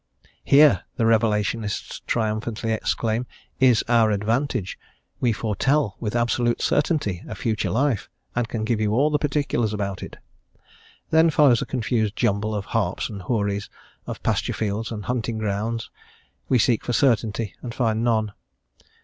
"Here," the revelationists triumphantly exclaim, "is our advantage; we foretell with absolute certainty a future life, and can give you all particulars about it." Then follows a confused jumble of harps and houris, of pasture field and hunting grounds; we seek for certainty and find none.